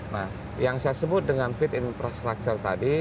nah yang saya sebut dengan fit infrastructure tadi